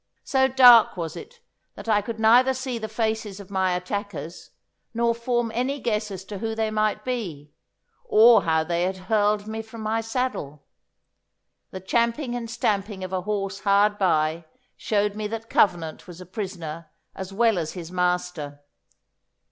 So dark was it that I could neither see the faces of my attackers, nor form any guess as to who they might be, or how they had hurled me from my saddle. The champing and stamping of a horse hard by showed me that Covenant was a prisoner as well as his master.